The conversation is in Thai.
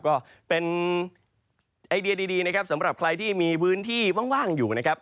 ก็เป็นไอเดียดีนะครับสำหรับใครที่มีพื้นที่ว่างอยู่นะครับ